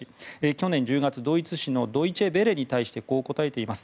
去年１０月、ドイツ紙のドイチェ・ヴェレに対してこう答えています。